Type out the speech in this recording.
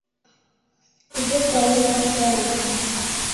— Кузе толын моштенат?